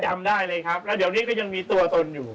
จำได้เลยครับแล้วเดี๋ยวนี้ก็ยังมีตัวตนอยู่